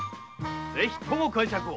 ぜひとも介錯を。